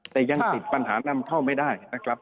แต่ยังติดปัญหานำเข้าไม่ได้นะครับ